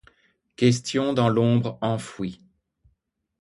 Questions dans l'ombre enfouies !